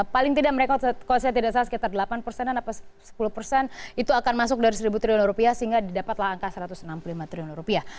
paling tidak mereka kalau saya tidak salah sekitar delapan persenan atau sepuluh persen itu akan masuk dari seribu triliun rupiah sehingga didapatlah angka satu ratus enam puluh lima triliun rupiah